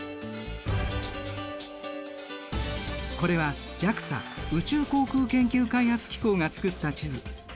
これはＪＡＸＡ宇宙航空研究開発機構が作った地図。